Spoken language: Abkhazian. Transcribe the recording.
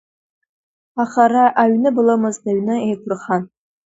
Аха ара аҩны блымызт, аҩны еиқәырхан.